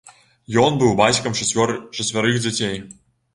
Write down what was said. Ён быў бацькам чацвярых дзяцей.